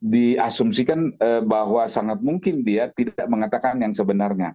diasumsikan bahwa sangat mungkin dia tidak mengatakan yang sebenarnya